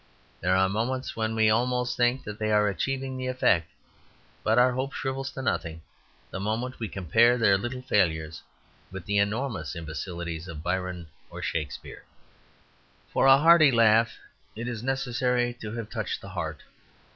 There are moments when we almost think that they are achieving the effect, but our hope shrivels to nothing the moment we compare their little failures with the enormous imbecilities of Byron or Shakespeare. For a hearty laugh it is necessary to have touched the heart.